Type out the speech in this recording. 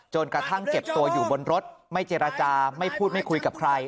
กระทั่งเก็บตัวอยู่บนรถไม่เจรจาไม่พูดไม่คุยกับใคร